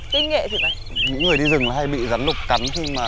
đừng ngồi đừng ngồi